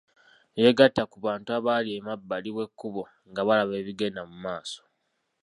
Yeegatta ku bantu abaali emabbali w’ekkubo nga balaba ebigenda mu maaso.